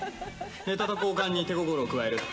ネタと交換に手心を加える。